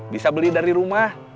bisa beli dari rumah